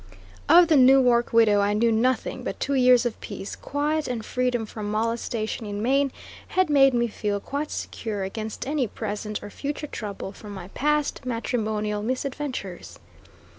Of the Newark widow I knew nothing; but two years of peace, quiet, and freedom from molestation in Maine had made me feel quite secure against any present or future trouble from my past matrimonial misadventures.